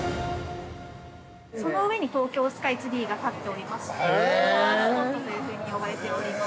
◆その上に東京スカイツリーが建っておりましてパワースポットというふうに呼ばれております。